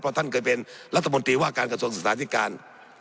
เพราะท่านเคยเป็นรัฐมนตรีว่าการกระทรวงศึกษาธิการ